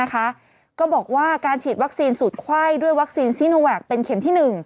ก็บอกว่าการฉีดวัคซีนสูตรไข้ด้วยวัคซีนซีโนแวคเป็นเข็มที่๑